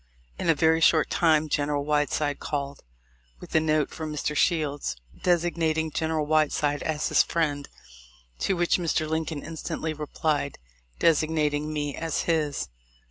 In a very short time General Whiteside called with a note from Mr. Shields, designating General White side as his friend, to which Mr. Lincoln instantly replied designating me as his.